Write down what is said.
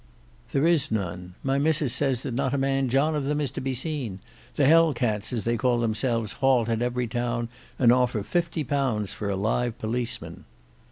"There is none: my missus says that not a man John of them is to be seen. The Hell cats as they call themselves halt at every town and offer fifty pounds for a live policeman."